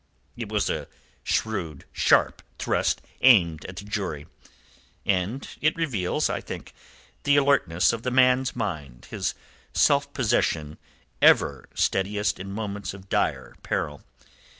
It was a shrewd, sharp thrust aimed at the jury, and it reveals, I think, the alertness of the man's mind, his self possession ever steadiest in moments of dire peril.